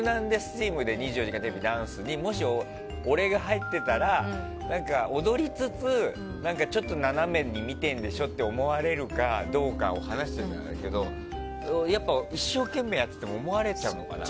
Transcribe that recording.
チームで「２４時間テレビ」のダンスにもし俺が入ってたら踊りつつちょっと斜めに見てるんでしょって思われるかどうかを話してたんですけどやっぱり一生懸命やってても思われちゃうのかな。